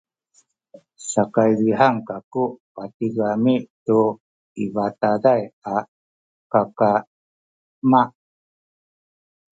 sakaydihan kaku patigami tu i bataday a kakama